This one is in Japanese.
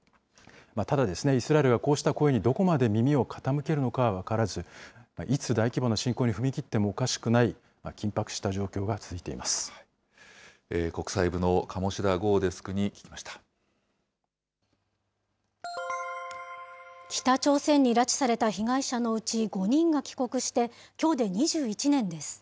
ただ、イスラエルがこうした声にどこまで耳を傾けるのかは分からず、いつ大規模な侵攻に踏み切ってもおかしくない緊迫した状況が続い国際部の鴨志田郷デスクに聞北朝鮮に拉致された被害者のうち５人が帰国して、きょうで２１年です。